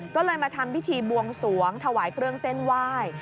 ก็เลยมาทำพิธีบวงสวงถวายเครื่องเส้นไหว้